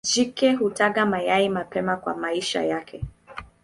Jike hutaga mayai mapema kwa maisha yake.